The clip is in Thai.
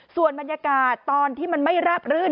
ส่วนบรรยากาศตอนที่มันไม่ราบรื่น